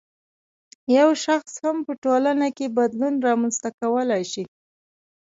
یو شخص هم په ټولنه کې بدلون رامنځته کولای شي.